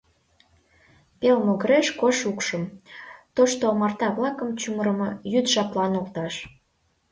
Пел могыреш кож укшым, тошто омарта-влакым чумырымо, йӱд жаплан олташ.